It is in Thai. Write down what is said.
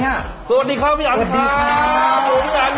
สวัสดีครับพี่อันครับ